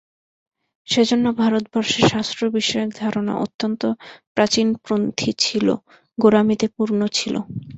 সেজন্য ভারতবর্ষে শাস্ত্রবিষয়ক ধারণা অত্যন্ত প্রাচীনপন্থী ছিল, গোঁড়ামিতে পূর্ণ ছিল।